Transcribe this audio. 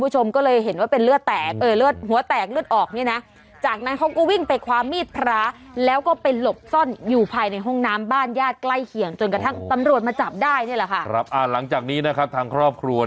หลังจากนี้นะครับทางครอบครัว